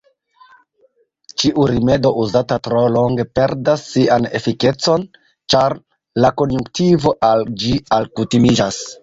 Ĉiu rimedo, uzata tro longe, perdas sian efikecon, ĉar la konjunktivo al ĝi alkutimiĝas.